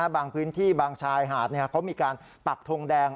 บางพื้นที่บางชายหาดเขามีการปักทงแดง